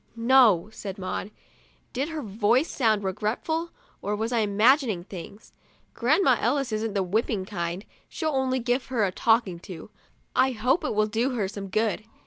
" No," said Maud. Did her voice sound regretful, or was I imagining things? " Grandma Ellis isn't the whip ping kind ; she'll only give her a talking to. I hope it will do her some good."